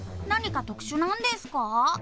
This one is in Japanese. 「何か特殊なんですか？」